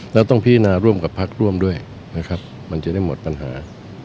แล้วต้องพิจารณาร่วมกับพักร่วมด้วยนะครับมันจะได้หมดปัญหา